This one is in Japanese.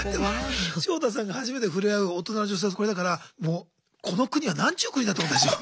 ショウタさんが初めて触れ合う大人の女性がこれだからもうこの国はなんちゅう国だと思ったでしょ。